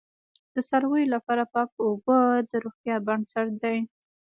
د څارویو لپاره پاک اوبه د روغتیا بنسټ دی.